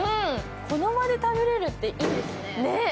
この場で食べれるっていいですね。